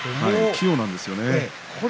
器用なんですよね。